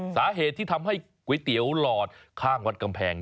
สาเหตุที่ทำให้ก๋วยเตี๋ยวหลอดข้างวัดกำแพง